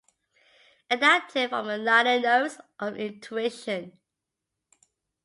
Adapted from the liner notes of "Intuition"